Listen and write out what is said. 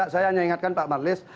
saya hanya ingatkan pak marlis